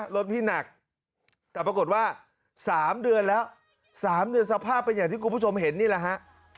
รถพี่หนักแต่ปรากฏว่า๓เดือนแล้ว๓เดือนสภาพเป็นอย่างที่คุณผู้ชมเห็นนี่แหละฮะ